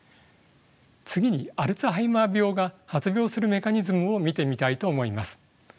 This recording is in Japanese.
次にアルツハイマー病が発病するメカニズムを見てみたいと思います。